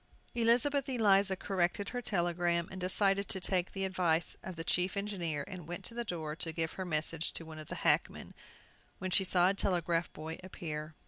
Elizabeth Eliza corrected her telegram, and decided to take the advice of the chief engineer and went to the door to give her message to one of the hackmen, when she saw a telegraph boy appear.